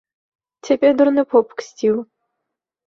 Цябе дурны поп ксціў!